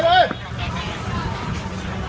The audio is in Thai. นี่น่าจะมาสินี่น่าจะของเรา